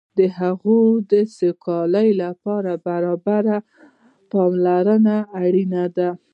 د هغوی سوکالۍ لپاره برابره پاملرنه اړینه ده.